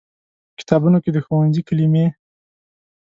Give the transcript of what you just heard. په کتابونو کې د ښوونځي کلمې